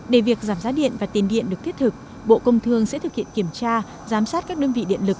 để việc giảm giá điện và tiền điện được thiết thực bộ công thương sẽ thực hiện kiểm tra giám sát các đơn vị điện lực